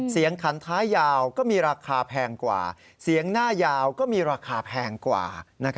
ขันท้ายยาวก็มีราคาแพงกว่าเสียงหน้ายาวก็มีราคาแพงกว่า